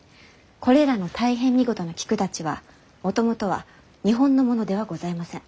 これらの大変見事な菊たちはもともとは日本のものではございません。